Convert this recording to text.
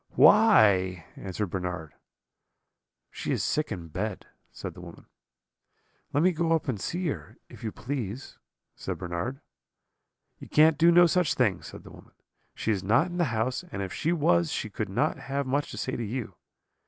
"'Why?' answered Bernard. "'She is sick in bed,' said the woman. "'Let me go up and see her, if you please,' said Bernard. "'You can't do no such thing,' said the woman; 'she is not in the house, and if she was she could not have much to say to you.